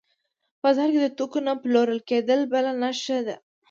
په بازار کې د توکو نه پلورل کېدل بله نښه ده